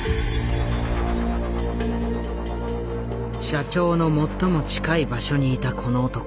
社長の最も近い場所にいたこの男。